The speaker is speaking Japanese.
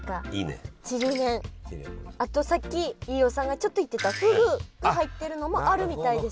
あとさっき飯尾さんがちょっと言ってたふぐが入ってるのもあるみたいです。